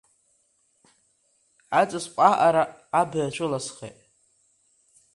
Аҵысхә аҟара абаҩ ацәыласхеит.